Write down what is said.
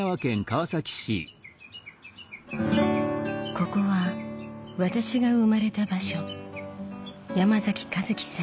ここは私が生まれた場所山崎和樹さん